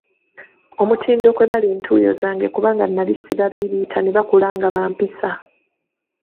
Omutindo kwe bali ntuuyo zange kubanga nnali sibabiibiita ne bakula nga bampisa.